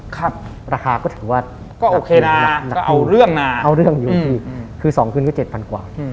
ค่ะราคาก็ถือว่านักคู่นักคู่นี้เอาเรื่องอยู่ที่คือ๒คืนก็๗๐๐๐บาทกว่า